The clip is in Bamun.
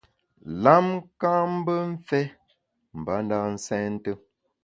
Lam ka’ mbe mfé mbanda nsènte.